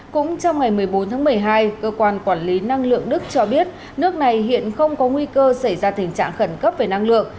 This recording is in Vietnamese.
cũng trong ngày một mươi bốn tháng một mươi hai cơ quan quản lý năng lượng đức cho biết nước này hiện không có nguy cơ xảy ra tình trạng khẩn cấp về năng lượng